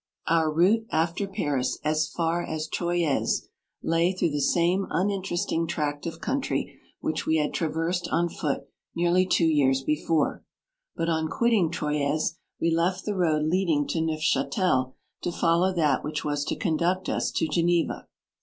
Our route after Paris, as far asTroyes, lay through the same uninteresting tract of country which we had tra versed on foot nearly two years before, but on quitting Troyes we left the road leading to NeuftMtel, to follow that which w r as to conduct us to Ge neva.